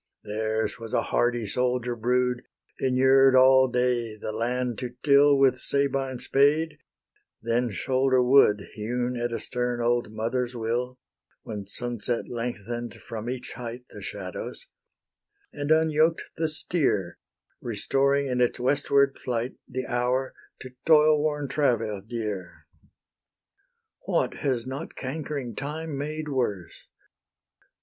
Theirs was a hardy soldier brood, Inured all day the land to till With Sabine spade, then shoulder wood Hewn at a stern old mother's will, When sunset lengthen'd from each height The shadows, and unyoked the steer, Restoring in its westward flight The hour to toilworn travail dear. What has not cankering Time made worse?